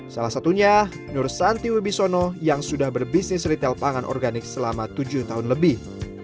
salah satunya nur santi wibisono yang sudah berbisnis retail pangan organik selama tujuh tahun lebih